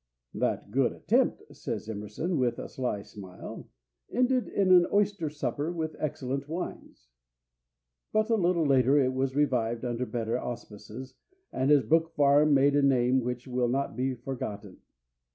"That good attempt," says Emerson, with a sly smile, "ended in an oyster supper with excellent wines." But a little later it was revived under better auspices, and as Brook Farm made a name which will not be forgotten.